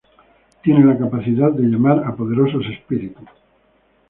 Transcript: Tiene la capacidad de llamar a poderosos Espíritus.